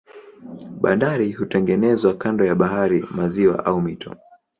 Bandari hutengenezwa kando ya bahari, maziwa au mito.